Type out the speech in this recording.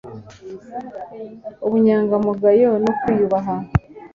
ubunyangamugayo no kwiyubaha